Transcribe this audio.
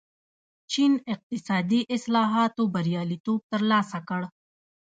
چین اقتصادي اصلاحاتو بریالیتوب ترلاسه کړ.